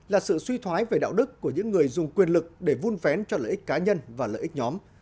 là sự suy thoái về đạo đức của những người dùng quyền lực để vun vén cho lợi ích cá nhân và lợi ích nhóm